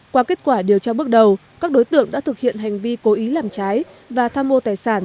qua kết quả điều tra bước đầu các đối tượng đã thực hiện hành vi cố ý làm trái và tham mô tài sản